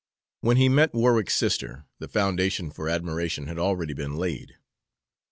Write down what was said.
When he met Warwick's sister, the foundation for admiration had already been laid.